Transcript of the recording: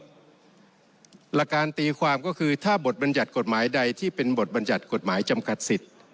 หลักการตีความก็คือถ้าบทบรรยัติกฎหมายใดที่เป็นบทบัญญัติกฎหมายจำกัดสิทธิ์